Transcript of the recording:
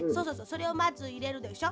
それをまずいれるでしょ。